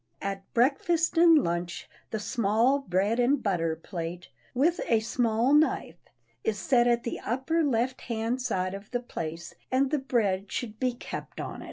At breakfast and luncheon the small bread and butter plate, with a small knife, is set at the upper left hand side of the place and the bread should be kept on it.